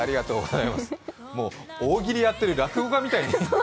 もう大喜利やっている落語家みたいに。